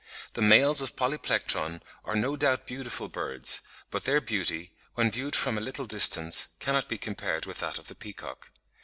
The males of Polyplectron are no doubt beautiful birds, but their beauty, when viewed from a little distance, cannot be compared with that of the peacock.